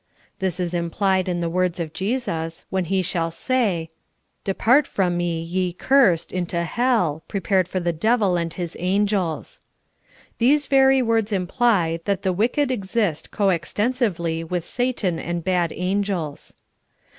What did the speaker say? This is implied in the words of Jesus, when He shall say :" Depart from me, 3'e cursed, into hell, pre pared for the devil and his angels." These very words imply that the wicked exist co extensively with Satan and bad angels.